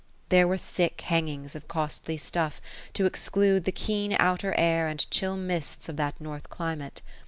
There were thick hang ings of co.<«tly stuff to exclude the keen outer air and chill mists of that north climate.